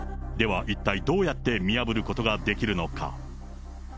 では一体どうやって見破ることができるのか。